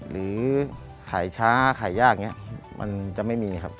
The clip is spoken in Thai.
หรือขายช้าขายยากมันจะไม่มีครับ